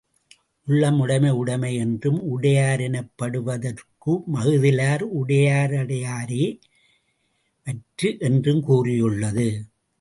உள்ளம் உடைமை உடைமை என்றும் உடைய ரெனப்படுவ துரக்க மஃதிலார் உடைய ருடையரோ மற்று என்றும் கூறியுள்ளது.